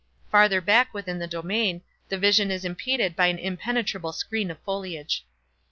Farther back within the domain, the vision is impeded by an impenetrable screen of foliage.